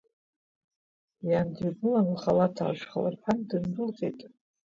Иан дҩагылан, лхалаҭ аалышәхалырԥан, дындәылҟьеит.